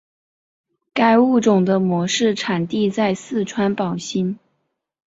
该物种的模式产地在四川宝兴。